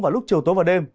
vào lúc chiều tối và đêm